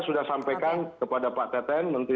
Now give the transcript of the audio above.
sudah sampaikan kepada pak teten menteri